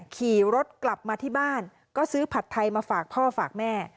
ขี่รถกลับมาที่บ้านก็ซื้อผัดไทยมาฝากพ่อฝากแม่